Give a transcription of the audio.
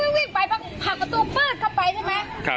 พ่อบอกว่าไฟไหม้ไฟไหม้ร้านจะไก่